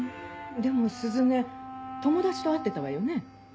でも鈴音友達と会ってたわよね。